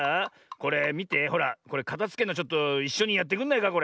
これかたづけんのちょっといっしょにやってくんないかこれ。